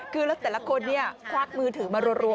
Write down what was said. คือแล้วแต่ละคนควักมือถือมารัว